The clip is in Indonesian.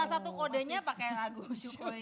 salah satu kodenya pakai lagu syukur ini